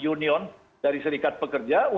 union dari serikat pekerja